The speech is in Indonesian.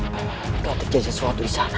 tidak terjadi sesuatu di sana